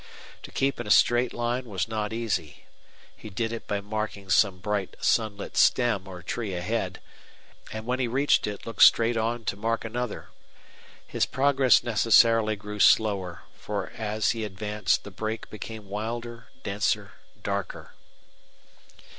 To keep in a straight line was not easy he did it by marking some bright sunlit stem or tree ahead, and when he reached it looked straight on to mark another. His progress necessarily grew slower, for as he advanced the brake became wilder, denser, darker.